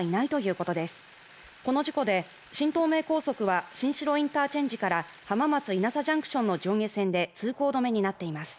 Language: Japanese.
この事故で新東名高速は新城インターから浜松いなさＪＣＴの上下線で通行止めになっています。